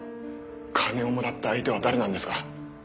金をもらった相手は誰なんですか？